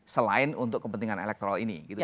selain untuk kepentingan elektoral ini